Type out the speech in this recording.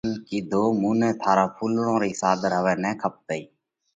ان ڪِيڌو: مُون نئہ ٿارئِي ڦُولڙون رئِي ساۮر هوَئہ نه کپتئِي۔